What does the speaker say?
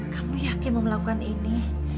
kamu yakin mau melakukan ini